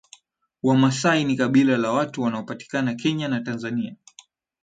Wamasai ni kabila la watu wanaopatikana Kenya na Tanzania